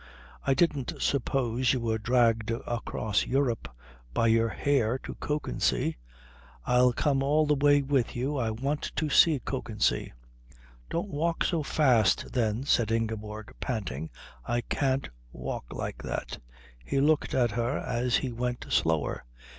I didn't suppose you were dragged across Europe by your hair to Kökensee. I'll come all the way with you. I want to see Kökensee." "Don't walk so fast, then," said Ingeborg, panting. "I can't walk like that." He looked at her as he went slower.